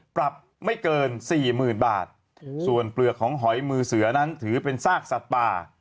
ปรับไม่เกินสี่หมื่นบาทส่วนเปลือกของหอยมือเสือนั้นถือเป็นซากสัตว์ป่า